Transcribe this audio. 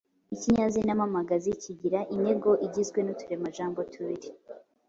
Ikinyazina mpamagazi kigira intego igizwe n’uturemajambo tubiri